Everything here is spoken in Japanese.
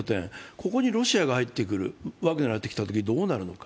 ここにロシアが入ってくる、ワグネルが入ってきたときにどうなるのか。